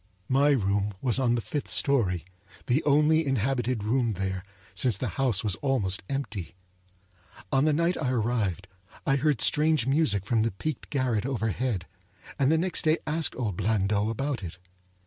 My room was on the fifth story; the only inhabited room there, since the house was almost empty. On the night I arrived I heard strange music from the peaked garret overhead, and the next day asked old Blandot about it.